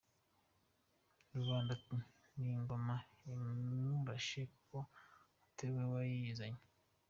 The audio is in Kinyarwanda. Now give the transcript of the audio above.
Rubanda bati ”Ni ingoma imurashe kuko atari we wayirazwe.